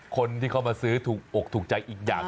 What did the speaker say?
คนที่เขามาซื้อถูกอกถูกใจอีกอย่าง